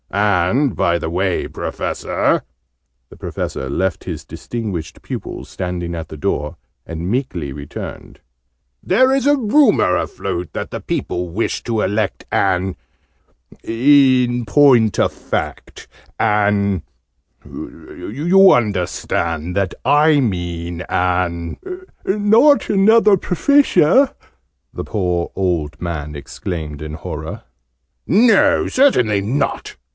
And, by the way, Professor!" (The Professor left his distinguished pupil standing at the door, and meekly returned.) "There is a rumour afloat, that the people wish to elect an in point of fact, an you understand that I mean an " "Not another Professor!" the poor old man exclaimed in horror. "No! Certainly not!"